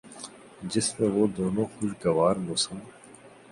جس میں وہ دونوں خوشگوار موسم